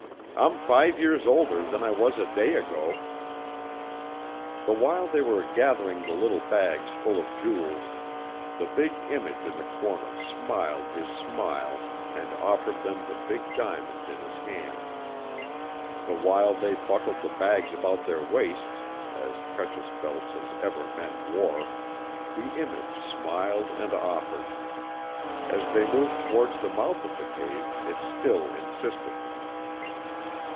I'm five years older than I was a day ago." The while they were gathering the little bags full of jewels, the big image in the corner smiled his smile and offered them the big diamond in his hand; the while they buckled the bags about their waists as precious belts as ever men wore the image smiled and offered; as they moved towards the mouth of the cave it still insisted.